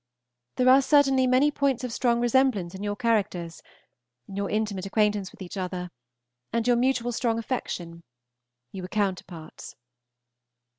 There are certainly many points of strong resemblance in your characters; in your intimate acquaintance with each other, and your mutual strong affection, you were counterparts.